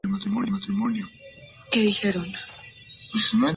Es hijo de William F. Buckley, Jr.